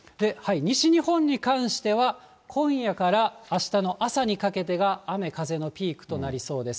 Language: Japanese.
西日本に関しては、今夜からあしたの朝にかけてが雨、風のピークとなりそうです。